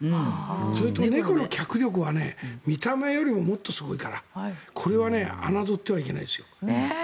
猫の脚力は見た目よりも、もっとすごいからこれは侮ってはいけないですよ。